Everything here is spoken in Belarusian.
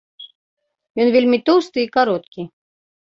Ён вельмі тоўсты і кароткі.